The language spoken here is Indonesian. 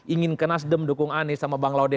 ingin ke nasdem dukung anies sama bang laude